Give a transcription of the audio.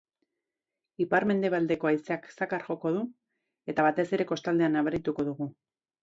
Ipar-mendebaldeko haizeak zakar joko du eta batez ere kostaldean nabarituko dugu.